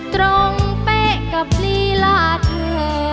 เป๊ะกับลีลาเธอ